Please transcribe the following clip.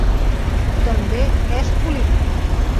També és política.